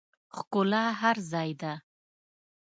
ښکلا هر ځای ده